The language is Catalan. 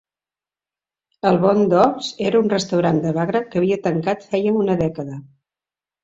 El Boondocks era un restaurant de bagra que havia tancat feia una dècada.